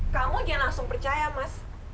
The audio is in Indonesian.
kamu jangan langsung percaya mas